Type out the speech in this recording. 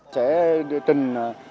sẽ đưa trình